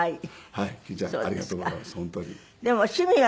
はい。